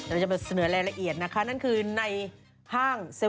เราจะมาเสนอรายละเอียดนะคะนั่นคือในห้างเซลล